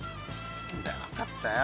何だよ分かったよ。